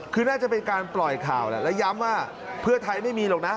คือน่าจะเป็นการปล่อยข่าวแหละแล้วย้ำว่าเพื่อไทยไม่มีหรอกนะ